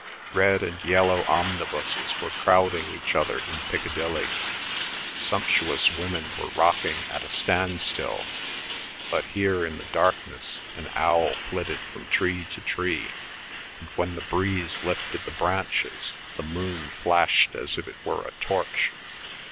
Red and yellow omnibuses were crowding each other in Piccadilly; sumptuous women were rocking at a standstill; but here in the darkness an owl flitted from tree to tree, and when the breeze lifted the branches the moon flashed as if it were a torch.